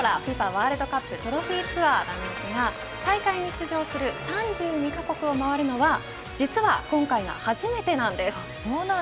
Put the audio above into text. ワールドカップトロフィーツアーですが大会に出場する３２カ国を回るのは実は今回が初めてなんです。